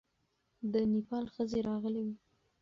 د نېپال ښځې راغلې وې.